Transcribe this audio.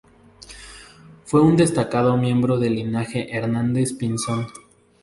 Fue un destacado miembro del Linaje Hernández-Pinzón.